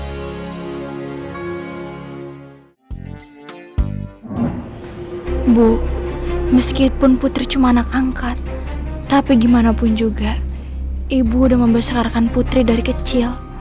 ibu meskipun putri cuma anak angkat tapi gimana pun juga ibu udah membesarkan putri dari kecil